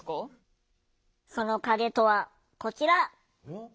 その影とはこちら！